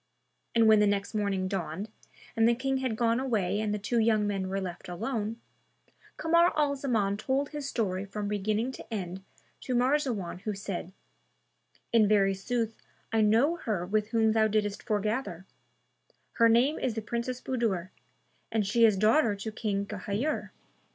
And when the next morning dawned, and the King had gone away and the two young men were left alone, Kamar al Zaman told his story from beginning to end to Marzawan who said, "In very sooth I know her with whom thou didst foregather; her name is the Princess Budur and she is daughter to King Ghayur."